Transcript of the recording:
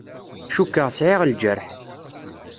Cukkeɣ sɛiɣ lǧerḥ.